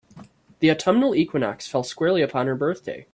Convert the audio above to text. The autumnal equinox fell squarely upon her birthday.